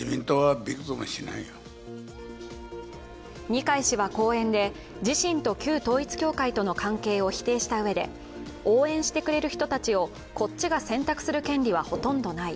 二階氏は講演で自身と旧統一教会との関係を否定したうえで応援してくれる人たちをこっちが選択する権利はほとんどない。